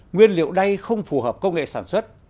nguyên liệu đay không phù hợp công nghệ sản xuất